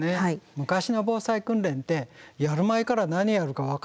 昔の防災訓練ってやる前から何やるか分かってたんですよね。